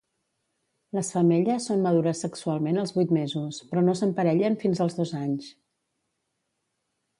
Les femelles són madures sexualment als vuit mesos, però no s'emparellen fins als dos anys.